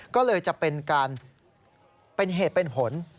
ก็เลยจะเป็นการเป็นเหตุเป็นผล